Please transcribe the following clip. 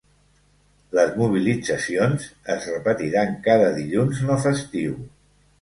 Les mobilitzacions es repetiran cada dilluns no festiu.